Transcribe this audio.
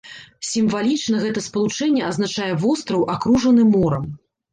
Сімвалічна гэта спалучэнне азначае востраў, акружаны морам.